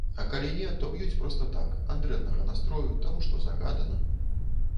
А калі не, то б'юць проста так, ад дрэннага настрою, таму што загадана.